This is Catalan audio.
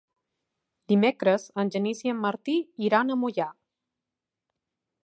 Dimecres en Genís i en Martí iran a Moià.